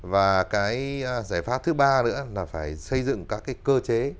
và cái giải pháp thứ ba nữa là phải xây dựng các cái cơ chế